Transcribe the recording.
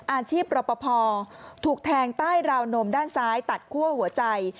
อาชีพรปภถูกแทงใต้ราวนมด้านซ้ายตัดคั่วหัวใจ